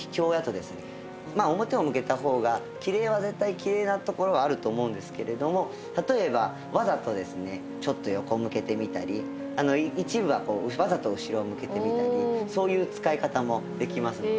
まあ表を向けた方がきれいは絶対きれいなところはあると思うんですけれども例えばわざとですねちょっと横向けてみたり一部はわざと後ろを向けてみたりそういう使い方もできますので。